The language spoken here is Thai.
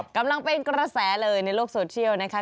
กำลังเป็นกระแสเลยในโลกโซเชียลนะคะ